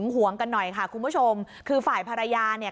หัวคุณผู้ชมคือฝ่ายภรรยาเนี่ย